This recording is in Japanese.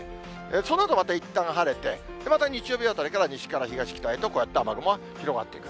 そのあとまたいったん晴れて、また日曜日あたりから、西から東、北へと、こうやって雨雲が広がっていく。